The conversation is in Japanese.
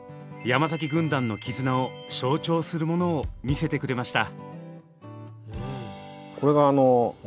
山崎軍団の絆を象徴するものを見せてくれました。